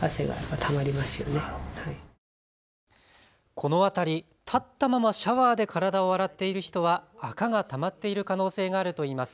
この辺り、立ったままシャワーで体を洗っている人はあかがたまっている可能性があるといいます。